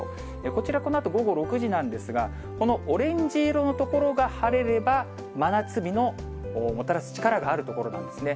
こちら、このあと午後６時なんですが、このオレンジ色の所が晴れれば真夏日をもたらす力がある所なんですね。